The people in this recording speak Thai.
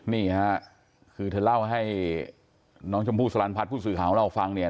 นี่ค่ะคือเธอเล่าให้น้องชมพู่สลันพัฒน์ผู้สื่อข่าวของเราฟังเนี่ย